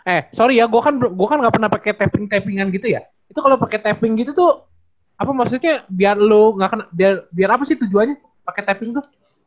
eh sorry ya gue kan gak pernah pake tapping tappingan gitu ya itu kalo pake tapping gitu tuh apa maksudnya biar lu gak kena biar apa sih tujuannya pake tapping tuh